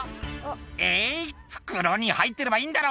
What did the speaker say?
「えい袋に入ってればいいんだろ」